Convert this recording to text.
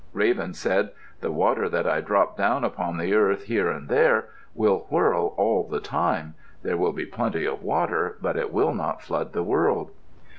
Raven said, "The water that I drop down upon the earth, here and there, will whirl all the time. There will be plenty of water, but it will not flood the world."